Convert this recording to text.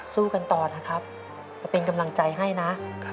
สู้กันต่อนะครับมาเป็นกำลังใจให้นะ